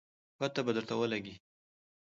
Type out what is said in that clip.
پته به درته ولګي